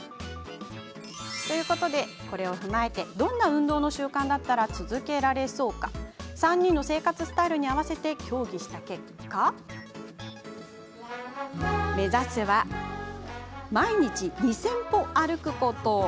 これを踏まえて、どんな運動の習慣だったら続けられそうか３人の生活スタイルに合わせて協議した結果目指すは毎日２０００歩歩くこと。